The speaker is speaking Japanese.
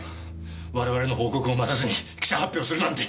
我々の報告を待たずに記者発表するなんて！